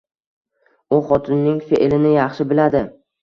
U xotinining fe`lini yaxshi biladi